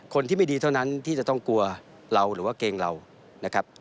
คนที่ไม่ดีเท่านั้นที่จะต้องกลัวเราหรือว่าเกรงเรานะครับ